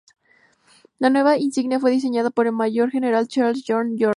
La nueva insignia fue diseñada por el mayor general Charles George Gordon.